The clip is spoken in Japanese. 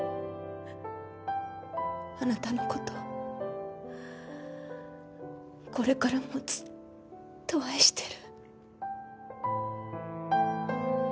あなたの事これからもずっと愛してる。